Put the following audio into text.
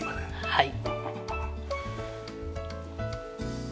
はい。